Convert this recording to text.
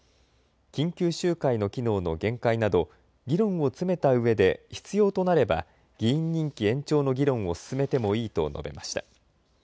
緊急集会の機能の限界など議論を詰めたうえで必要となれば議員任期延長の議論を進めてもいいと述べました。